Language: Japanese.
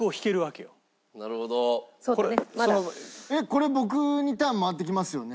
これ僕にターン回ってきますよね？